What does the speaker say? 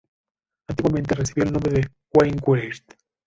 Antiguamente recibió el nombre de "Wainwright".